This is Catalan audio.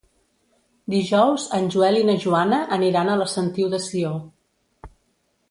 Dijous en Joel i na Joana aniran a la Sentiu de Sió.